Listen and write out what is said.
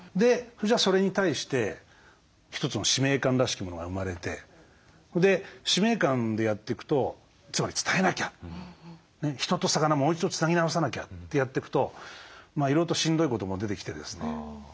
それに対して一つの使命感らしきものが生まれてで使命感でやっていくとつまり「伝えなきゃ」「人と魚もう一度つなぎ直さなきゃ」ってやってくといろいろとしんどいことも出てきてですね。